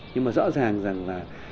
nhưng mà rõ ràng rằng là